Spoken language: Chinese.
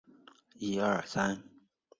田径运动会为一年一度。